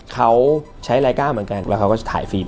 เค้าใช้ไร้ก้าเหมือนกันแล้วเค้าก็จะถ่ายฟิล์ม